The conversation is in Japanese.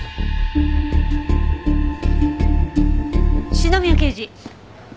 篠宮刑事。